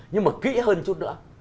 nhưng mà kỹ hơn chút nữa